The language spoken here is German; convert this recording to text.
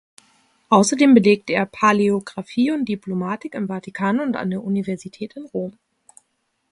Außerdem belegte er Paläographie und Diplomatik im Vatikan und an der Universität in Rom.